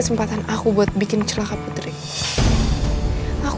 sampai jumpa di video selanjutnya